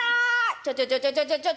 「ちょちょちょちょ